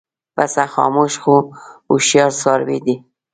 پسه خاموش خو هوښیار څاروی دی.